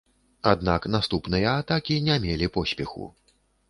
Аднак наступныя атакі не мелі поспеху.